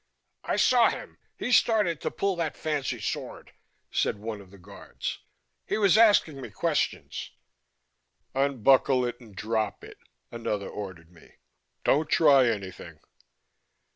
"I saw him; he started to pull that fancy sword," said one of the guards. "He was asking me questions " "Unbuckle it and drop it," another ordered me. "Don't try anything!"